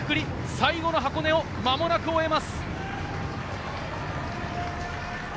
最後の箱根を間もなく終えます。